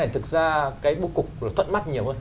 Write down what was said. thực ra bố cục thuận mắt nhiều hơn